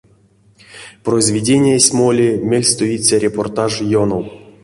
Произведениясь моли мельстуиця репортаж ёнов.